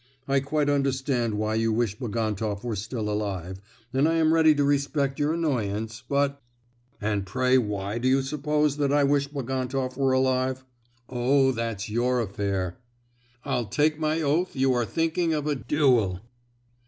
I quite understand why you wish Bagantoff were still alive, and am ready to respect your annoyance, but——" "And pray why do you suppose that I wish Bagantoff were alive?" "Oh, that's your affair!" "I'll take my oath you are thinking of a duel!"